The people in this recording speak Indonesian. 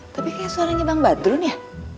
tapi kayak suaranya bang badrun ya